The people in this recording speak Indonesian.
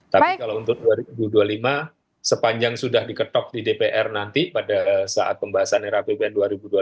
tapi kalau untuk dua ribu dua puluh lima sepanjang sudah diketok di dpr nanti pada saat pembahasan rapbn dua ribu dua puluh